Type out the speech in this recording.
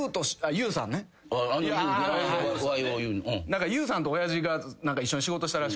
ＹＯＵさんと親父が一緒に仕事したらしくて。